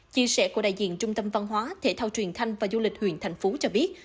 chia sẻ của đại diện trung tâm văn hóa thể thao truyền thanh và du lịch huyện thành phú cho biết